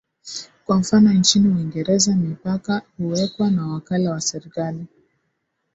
Kwa mfano nchini Uingereza mipaka huwekwa na wakala wa serikali